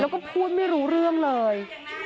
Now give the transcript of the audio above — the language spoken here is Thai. แล้วก็พูดไม่รู้เรื่องเลย